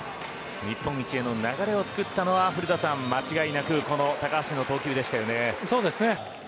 日本一の流れをつくったのは間違いなくこの高橋の投球でしたね。